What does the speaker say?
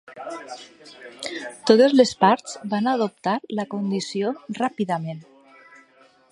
Totes les parts van adoptar la condició ràpidament.